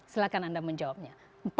silahkan anda menjawabnya